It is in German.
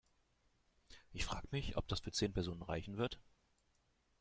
Ich frag' mich, ob das für zehn Personen reichen wird!?